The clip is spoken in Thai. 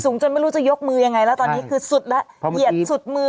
จนไม่รู้จะยกมือยังไงแล้วตอนนี้คือสุดแล้วเหยียดสุดมือ